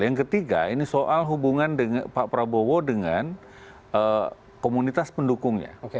yang ketiga ini soal hubungan pak prabowo dengan komunitas pendukungnya